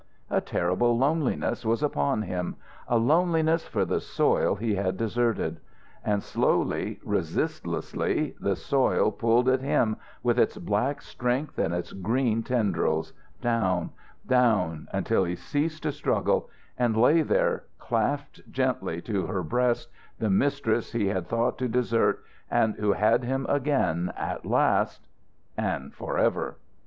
A terrible loneliness was upon him; a loneliness for the soil he had deserted. And slowly, resistlessly, the soil pulled at him with its black strength and its green tendrils, down, down, until he ceased to struggle and lay there clasped gently to her breast, the mistress he had thought to desert and who had him again at last, and forever.